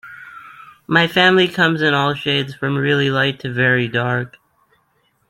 My family comes in all shades from really light to very dark.